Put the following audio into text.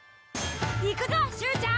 いくぞ終ちゃん！